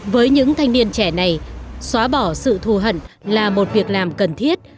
với những thanh niên trẻ này xóa bỏ sự thù hận là một việc làm cần thiết